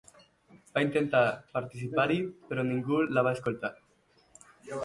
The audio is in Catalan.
Va intentar participar-hi, però ningú la va escoltar.